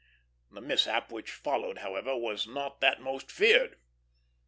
The mishap which followed, however, was not that most feared.